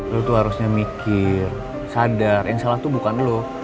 lo tuh harusnya mikir sadar yang salah tuh bukan lo